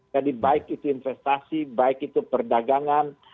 jadi baik itu investasi baik itu perdagangan